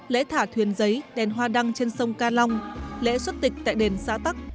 lễ thả thuyền giấy đèn hoa đăng trên sông ca long lễ xuất tịch tại đền xã tắc